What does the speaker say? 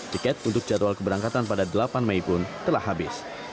tiket untuk jadwal keberangkatan pada delapan mei pun telah habis